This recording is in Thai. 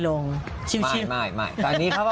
อ้วนเหมาะกินเก่ง